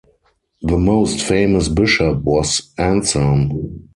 The most famous bishop was Anselm.